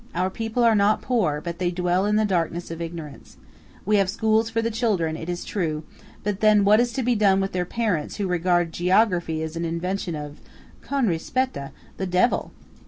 Our people are not poor, but they dwell in the darkness of ignorance. We have schools for the children, it is true; but then what is to be done with their parents who regard geography as an invention of–con rispetta –the Devil?"